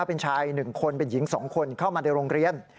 เป็นชาย๑คนเป็นหญิง๒คนเข้ามาในโรงเรียน